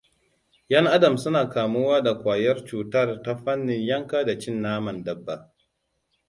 Yan-Adam suna kamuwa da kwayar cutar ta fannin yanka da cin naman dabba.